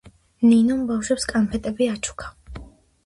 ნინომ ბავშვებს კანფეტები აჩუქა.